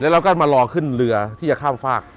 เราก็มารอขึ้นเรือที่จะข้ามฝาก